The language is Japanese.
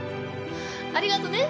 ありがとね。